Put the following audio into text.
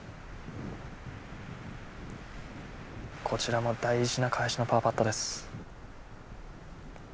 こちらも大事な返しのパーパットです。